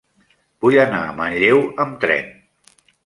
Vull anar a Manlleu amb tren.